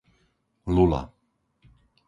Lula